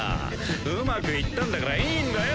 うまくいったんだからいいんだよ。